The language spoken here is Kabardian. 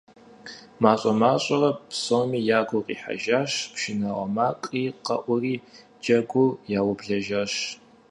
МащӀэ-мащӀэурэ псоми я гур къихьэжащ, пшынауэ макъи къэӀури, джэгур яублэжащ.